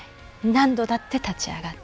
何度だって立ち上がって。